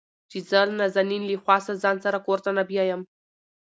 چې زه نازنين له حواسه ځان سره کور ته نه بيايم.